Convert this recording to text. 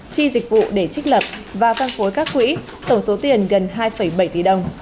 chi dịch vụ để trích lập và văn phối các quỹ tổng số tiền gần hai bảy tỷ đồng